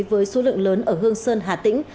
với số lượng lớn ở hương sơn hà tĩnh